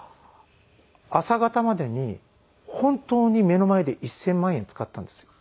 朝方までに本当に目の前で１０００万円使ったんですよ。